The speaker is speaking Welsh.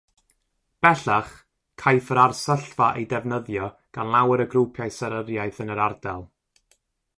Bellach, caiff yr arsyllfa ei defnyddio gan lawer o grwpiau seryddiaeth yn yr ardal